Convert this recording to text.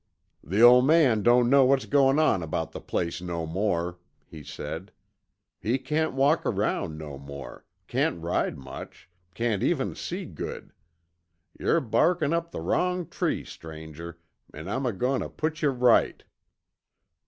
"The old man don't know what's goin' on about the place no more," he said. "He can't walk around no more, can't ride much, can't even see good. Yer barkin' up the wrong tree, stranger, an' I'm agoin' tuh put yuh right."